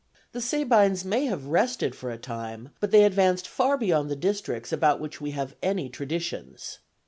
The Sabines may have rested for a time, but they advanced far beyond the districts about which we have any traditions.